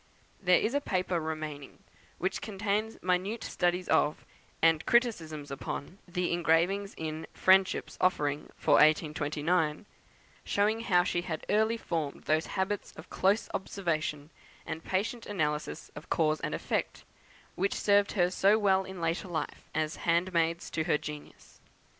There is a paper remaining which contains minute studies of, and criticisms upon, the engravings in "Friendship's Offering for 1829;" showing how she had early formed those habits of close observation, and patient analysis of cause and effect, which served so well in after life as handmaids to her genius.